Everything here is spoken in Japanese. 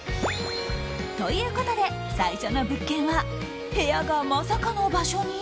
ということで最初の物件は部屋が、まさかの場所に？